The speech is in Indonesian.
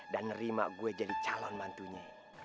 dan nerima gue jadi calon mantunya